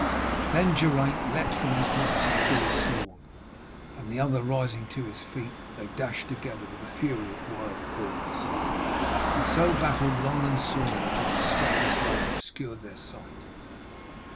Then Geraint leaped from his horse and drew his sword, and the other rising to his feet, they dashed together with the fury of wild bulls; and so battled long and sore until the sweat and blood obscured their sight.